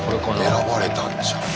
選ばれたんじゃん。